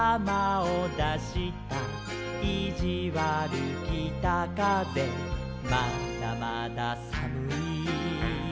「いじわるきたかぜまだまださむい」